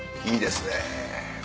いいですね！